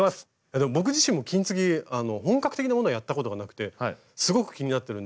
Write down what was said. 僕自身も金継ぎ本格的なものをやったことがなくてすごく気になってるんで今日は菅さん